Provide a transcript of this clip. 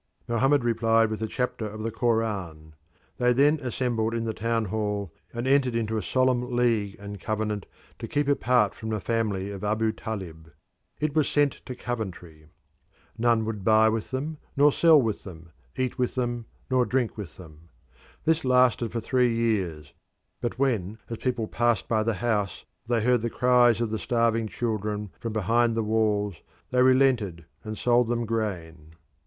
Mohammed replied with a chapter of the Koran. They then assembled in the town hall and entered into a solemn league and covenant to keep apart from the family of Abu Talib. It was sent to Coventry. None would buy with them nor sell with them, eat with them nor drink with them. This lasted for three years, but when as people passed by the house they heard the cries of the starving children from behind the walls, they relented and sold them grain.